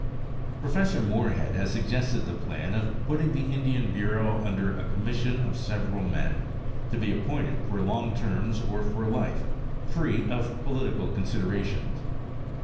Professor Moorehead has suggested the plan of putting the Indian Bureau under a commission of several men, to be appointed for long terms or for life, free of political considerations.